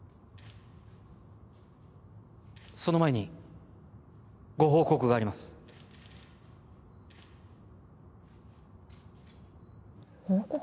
その前にご報告があります報告？